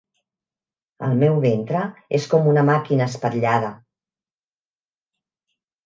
El meu ventre és com una màquina espatllada.